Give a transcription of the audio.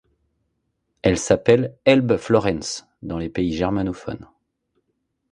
Elle s'apelle 'Elbflorenz' dans les pays germanophones.